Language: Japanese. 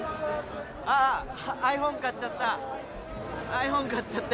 ああ、ｉＰｈｏｎｅ買っちゃった。